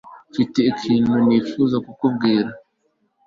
mfite ikintu nifuza kukubwira